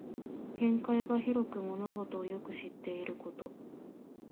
見聞が広く物事をよく知っていること。